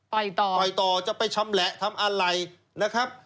ต่อต่อยต่อจะไปชำแหละทำอะไรนะครับ